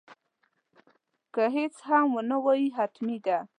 که هیڅ هم ونه وایې حتمي ده.